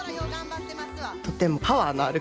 とてもパワーのある感じ。